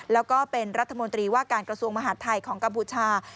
แล้วก็เป็นรัฐมนตรีว่าการกระทรวงมหาดไทยของกัมพูชา